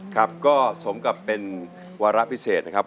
ครับก็สมกับเป็นวาระพิเศษนะครับ